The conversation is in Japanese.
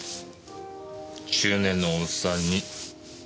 中年のおっさんに。